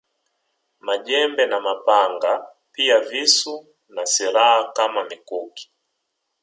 Majembe na mapanga pia visu na silaha kama mikuki